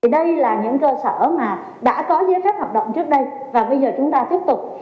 đây là những cơ sở mà đã có giới phép hợp động trước đây và bây giờ chúng ta tiếp tục